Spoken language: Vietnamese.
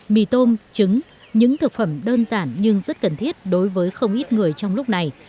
mì tôm trứng những thực phẩm đơn giản nhưng rất cần thiết đối với không ít người trong lúc này